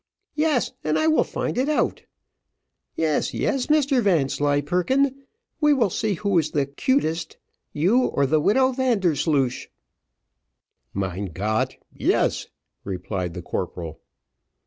Yes, and I will find it out. Yes, yes, Mr Vanslyperken, we will see who is the 'cutest you, or the widow Vandersloosh." "Mein Gott, yes!" replied the corporal.